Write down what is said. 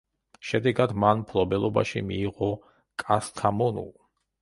შედეგად მან მფლობელობაში მიიღო კასთამონუ.